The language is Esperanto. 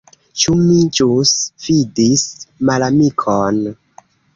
Ĉu mi ĵus vidis malamikon?